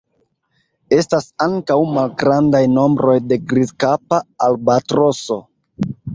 Estas ankaŭ malgrandaj nombroj de Grizkapa albatroso.